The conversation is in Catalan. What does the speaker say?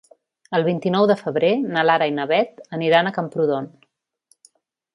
El vint-i-nou de febrer na Lara i na Beth aniran a Camprodon.